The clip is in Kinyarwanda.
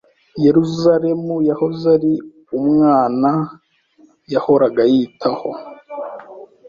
Yerusalemu yahoze ari umwana yahoraga yitaho